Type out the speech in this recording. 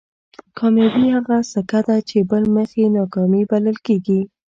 کامیابي هغه سکه ده چې بل مخ یې ناکامي بلل کېږي.